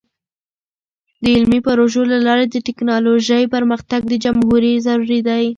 د علمي پروژو له لارې د ټیکنالوژۍ پرمختګ د جمهوری ضروری دی.